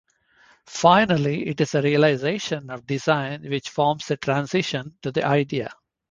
Finally, it is the realisation of design which forms the transition to the Idea.